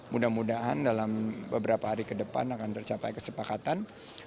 mudah mudahan dalam beberapa hari ke depan akan tercapai kesepakatan